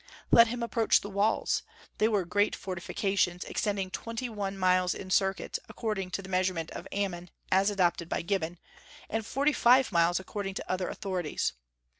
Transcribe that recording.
Let him approach the walls, they were great fortifications extending twenty one miles in circuit, according to the measurement of Ammon as adopted by Gibbon, and forty five miles according to other authorities.